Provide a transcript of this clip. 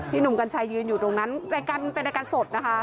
พี่หนุ่มกัญชัยยืนอยู่ตรงนั้นเป็นรายการสดนะคะ